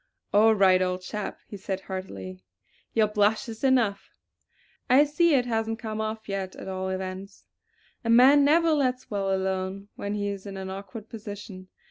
"All right, old chap!" he said heartily. "Your blush is enough. I see it hasn't come off yet at all events!" A man never lets well alone when he is in an awkward position.